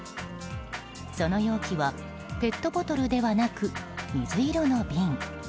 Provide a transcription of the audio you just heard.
その容器はペットボトルではなく水色の瓶。